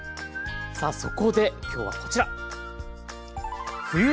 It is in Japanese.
さあそこで今日はこちら。